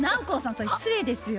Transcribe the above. それ失礼ですよ。